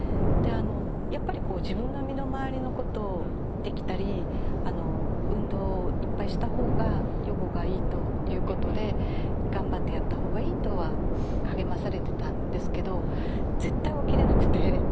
やっぱり自分の身の回りのことできたり運動いっぱいした方が予後がいいということで頑張ってやった方がいいとは励まされてたんですけど絶対起きれなくて。